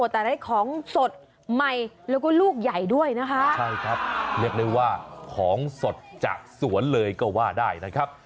แต่ได้ของสดใหม่แล้วก็ลูกใหญ่ด้วยนะคะใช่ครับเรียกได้ว่าของสดจากสวนเลยก็ว่าได้นะครับ